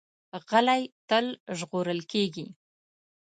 غلی، تل ژغورل کېږي.